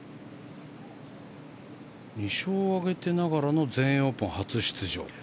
２勝を挙げていながらの全英オープン初出場。